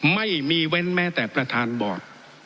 ไม่มีเว้นแม้แต่ประธานบอร์ด